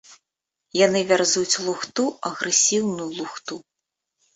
Яны вярзуць лухту, агрэсіўную лухту!